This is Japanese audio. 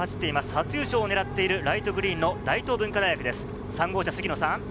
初優勝を狙っています、ライトグリーンの大東文化大学です。